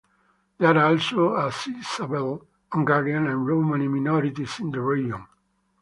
There are also a sizable Hungarian and Romani minorities in the region.